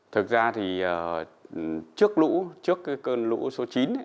thực ra thì trước lũ trước cơn lũ số chín ấy